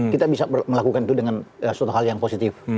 kita bisa melakukan itu dengan suatu hal yang positif